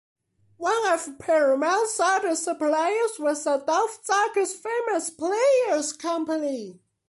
One of Paramount's other suppliers was Adolph Zukor's Famous Players Company.